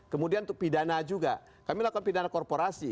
kemudian untuk pidana juga kami lakukan pidana korporasi